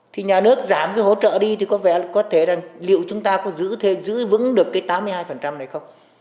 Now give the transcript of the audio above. thì nhà nước giảm cái hỗ trợ đi thì có vẻ là có thể là liệu chúng ta có thêm giữ vững được cái tám mươi hai này không